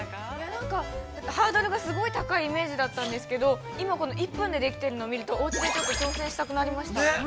◆なんかハードルがすごい高いイメージだったんですけど、今、１分でできてるのを見ると、おうちで挑戦してみたくなりました。